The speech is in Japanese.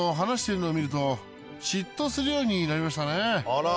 「あら！」